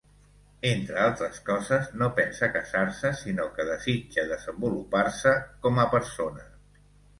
Entre altres coses, no pensa casar-se, sinó que desitja desenvolupar-se com a persona.